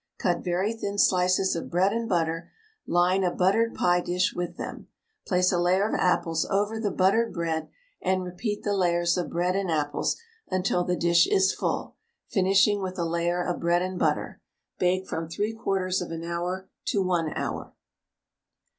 Cut very thin slices of bread and butter, line a buttered pie dish with them. Place a layer of apples over the buttered bread, and repeat the layers of bread and apples until the dish is full, finishing with a layer of bread and butter. Bake from 3/4 of an hour to 1 hour.